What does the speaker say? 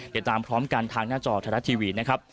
ติดตามพร้อมกันทางหน้าจอไทยรัฐทีวีนะครับ